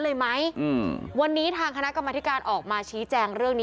เลยไหมอืมวันนี้ทางคณะกรรมธิการออกมาชี้แจงเรื่องนี้